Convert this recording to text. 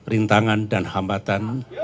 rintangan dan hambatan